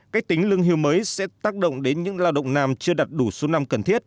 cách tính lương hưu mới sẽ tác động đến những lao động nam chưa đạt đủ số năm cần thiết